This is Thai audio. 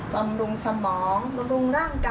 บำรุงสมองบำรุงร่างกาย